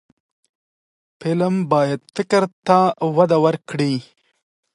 فلم باید فکر ته وده ورکړي